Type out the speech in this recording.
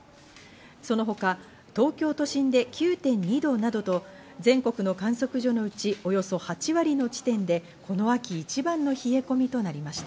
その他、東京都心で９．２度などと、全国の観測所のうちおよそ８割の地点でこの秋一番の冷え込みとなりました。